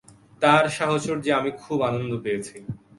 তাঁর সাহচর্যে আমি খুব আনন্দ পেয়েছি।